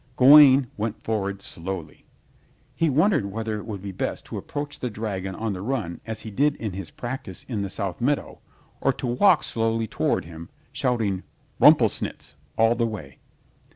Gawaine went forward slowly. He wondered whether it would be best to approach the dragon on the run as he did in his practice in the South Meadow or to walk slowly toward him, shouting "Rumplesnitz" all the way.